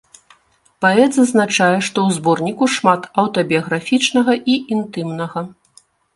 Паэт зазначае, што ў зборніку шмат аўтабіяграфічнага і інтымнага.